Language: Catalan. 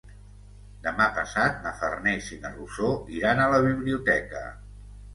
Demà passat na Farners i na Rosó iran a la biblioteca.